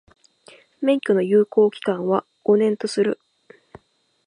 免許の有効期間は、五年とする。